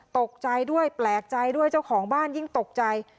ตกใจด้วยแปลกใจด้วยเจ้าของบ้านยิ่งตกใจ